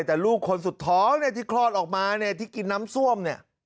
แต่ลูกคนสุดท้องที่คลอดออกมาที่กินน้ำซ่วม